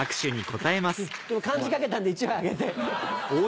今漢字書けたんで１枚あげて。